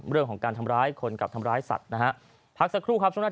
เรื่องของการทำร้ายคนกับทำร้ายสัตว์นะฮะพักสักครู่ครับช่วงหน้า